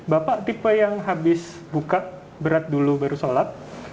bapak tipe yang habis buka berat dulu baru sholat